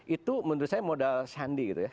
itu menurut saya modal sandi gitu ya